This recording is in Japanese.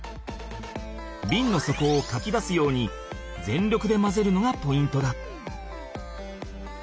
ビンの底をかき出すように全力で混ぜるのがポイントだ。